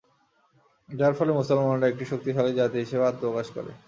যার ফলে মুসলমানরা একটি শক্তিশালী জাতি হিসেবে আত্মপ্রকাশ করে।